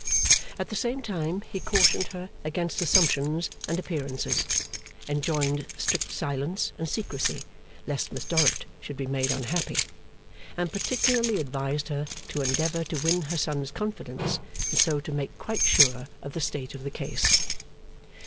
At the same time he cautioned her against assumptions and appearances; enjoined strict silence and secrecy, lest Miss Dorrit should be made unhappy; and particularly advised her to endeavour to win her son's confidence and so to make quite sure of the state of the case.